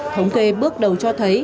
thống kê bước đầu cho thấy